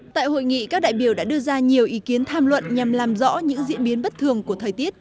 tại hội nghị các đại biểu đã đưa ra nhiều ý kiến tham luận nhằm làm rõ những diễn biến bất thường của thời tiết